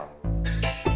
bukannya gak boleh